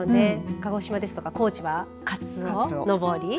鹿児島ですとか高知はかつおのぼり。